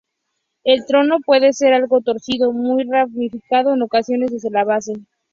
El tronco puede ser algo torcido, muy ramificado en ocasiones desde la base.